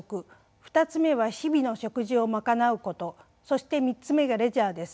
２つ目は日々の食事を賄うことそして３つ目がレジャーです。